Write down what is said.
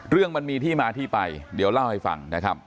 มันมีที่มาที่ไปเดี๋ยวเล่าให้ฟังนะครับ